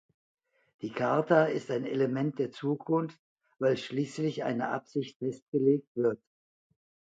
Die Charta ist ein Element der Zukunft, weil schließlich eine Absicht festgelegt wird.